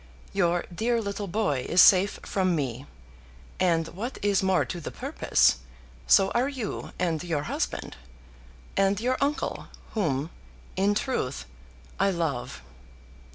Your dear little boy is safe from me; and, what is more to the purpose, so are you and your husband, and your uncle, whom, in truth, I love.